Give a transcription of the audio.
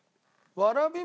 わらび餅？